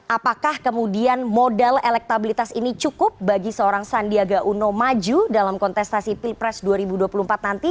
apakah kemudian modal elektabilitas ini cukup bagi seorang sandiaga uno maju dalam kontestasi pilpres dua ribu dua puluh empat nanti